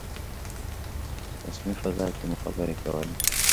رسمي فضا کې مو خبرې کولې.